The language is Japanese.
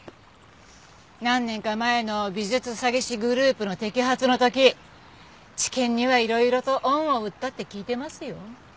何年か前の美術詐欺師グループの摘発の時地検にはいろいろと恩を売ったって聞いてますよ。